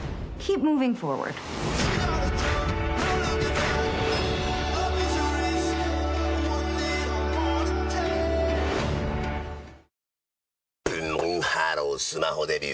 ブンブンハロースマホデビュー！